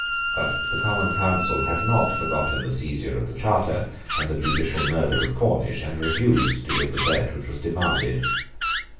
But the Common Council had not forgotten the seizure of the charter and the judicial murder of Cornish, and refused to give the pledge which was demanded.